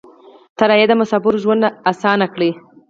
الوتکه د مسافرو ژوند اسانه کړی.